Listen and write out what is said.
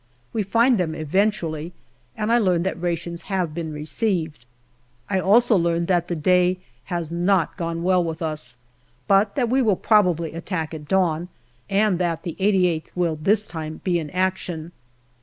We find them eventually, and I learn that rations have been received. I also learn that the day has not gone well with us, but that we will probably attack at dawn, and that the 88th will this time be in action.